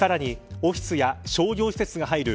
オフィスや商業施設が入る